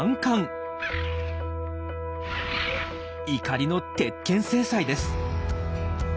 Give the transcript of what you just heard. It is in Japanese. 怒りの鉄拳制裁です。